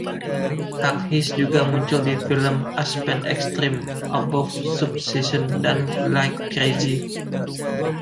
Hughes juga muncul di film "Aspen Extreme", "Above Suspicion" dan "Like Crazy".